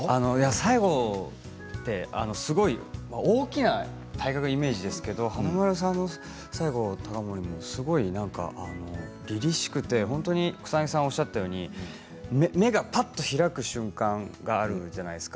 西郷ってすごい大きな体格のイメージですけど華丸さんの西郷隆盛もすごいなんかりりしくて、本当に草なぎさんがおっしゃったように目が、ぱって開く瞬間があるじゃないですか。